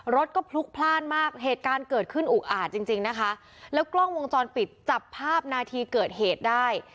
รถก็พลุกพลาดมากเหตุการณ์เกิดขึ้นอุกอาจจริงจริงนะคะแล้วกล้องวงจรปิดจับภาพนาทีเกิดเหตุได้